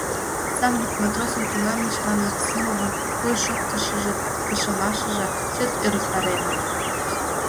Самырык матросым тунам мичман Максимовын койыш-шоктышыжо, тыршымашыже чот ӧрыктареныт.